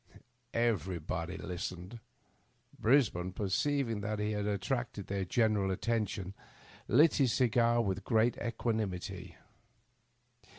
Everybody listened. Brisbane, perceiving that he had attracted their general attention, lit his cigar with great equanimity.